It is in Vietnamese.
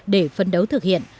để phấn đấu thực hiện